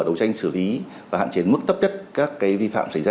đầu tranh xử lý và hạn chế mức tấp tất các vi phạm